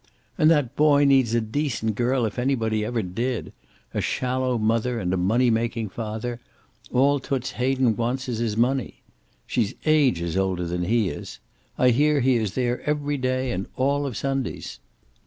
"And that boy needs a decent girl, if anybody ever did. A shallow mother, and a money making father all Toots Hay den wants is his money. She's ages older than he is. I hear he is there every day and all of Sundays."